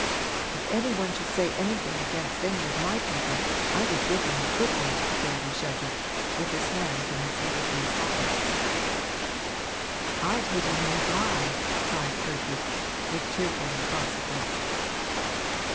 'If any one should say anything against any of my people I would give him a good one!' Geordie shouted, with his hands in his little blue pockets. 'I'd hit him in the eye!' cried Ferdy, with cheerful inconsequence.